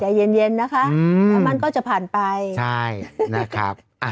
เย็นเย็นนะคะแล้วมันก็จะผ่านไปใช่นะครับ